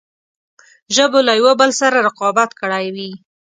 ژبو له یوه بل سره رقابت کړی وي.